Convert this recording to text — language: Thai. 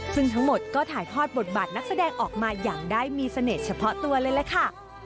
ซึ่งทั้งหมดก็ถ่ายทอดบทบาทนักแสดงออกมาอย่างได้มีเสน่ห์เฉพาะตัวเลยล่ะค่ะ